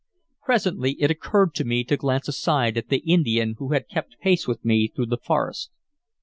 Presently it occurred to me to glance aside at the Indian who had kept pace with me through the forest.